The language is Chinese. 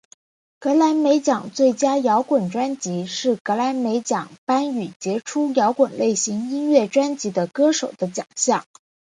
葛莱美奖最佳摇滚专辑是葛莱美奖颁予杰出摇滚类型音乐专辑的歌手的奖项。